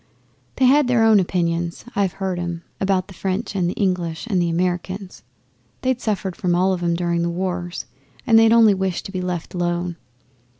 'They had their own opinions (I've heard 'em) about the French and the English, and the Americans. They'd suffered from all of 'em during the wars, and they only wished to be left alone.